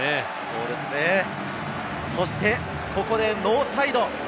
そうですね、ここでノーサイド。